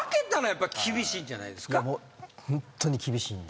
ホントに厳しいんで。